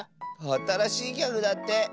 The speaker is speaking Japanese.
あたらしいギャグだって。